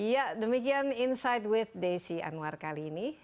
ya demikian insight with desi anwar kali ini